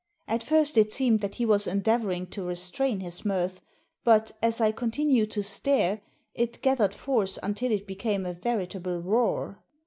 At first It seemed that he was endeavouring to restrain his mirth, but, as I continued to stare, it gathered force until it became a veritable roar.